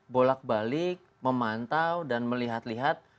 bolak balik memantau dan melihat lihat